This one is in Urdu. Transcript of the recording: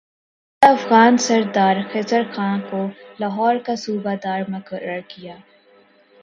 ایک افغان سردار خضر خان کو لاہور کا صوبہ دار مقرر کیا